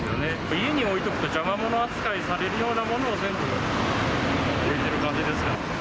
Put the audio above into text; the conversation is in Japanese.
家に置いとくと、邪魔者扱いされるようなものを全部、置いてる感じですかね。